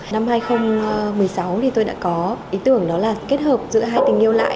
năm hai nghìn một mươi sáu thì tôi đã có ý tưởng đó là kết hợp giữa hai tình yêu lại